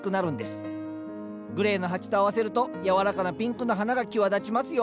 グレーの鉢と合わせるとやわらかなピンクの花が際立ちますよ。